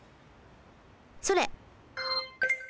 それ。